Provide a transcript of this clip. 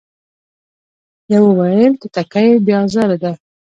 يوه ويل توتکۍ بې ازاره ده ،